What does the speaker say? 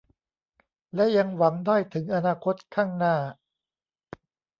และยังหวังได้ถึงอนาคตข้างหน้า